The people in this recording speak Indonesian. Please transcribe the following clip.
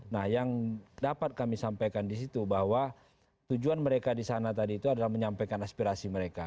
nah yang dapat kami sampaikan di situ bahwa tujuan mereka di sana tadi itu adalah menyampaikan aspirasi mereka